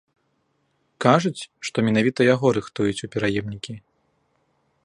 Кажуць, што менавіта яго рыхтуюць у пераемнікі.